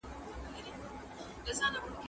له حملې سره ملگری یې غړومبی سو